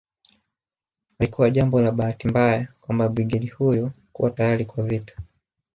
Halikuwa jambo la bahati mbaya kwamba brigedi hiyo kuwa tayari kwa vita